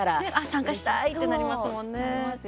参加したいってなりますもんね。